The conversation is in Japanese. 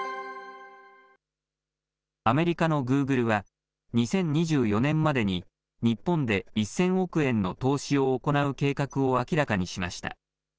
アメリカのグーグルは、２０２４年までに日本で１０００億円の投資を行う計画を明らかにしました。